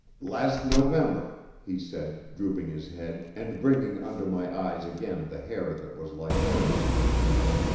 "Last November," he said drooping his head, and bringing under my eyes again the hair that was like hers.